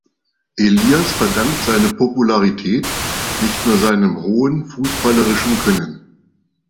Elias verdankt seine Popularität nicht nur seinem hohen fußballerischen Können.